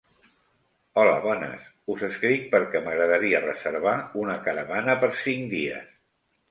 Hola bones, us escric perquè m'agradaria reservar una caravana per cinc dies.